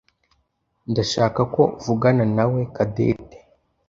ndashaka ko uvuganawe nawe Cadette.